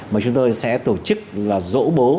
mà chúng tôi sẽ tổ chức là dỗ bố